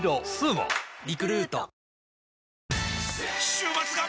週末が！！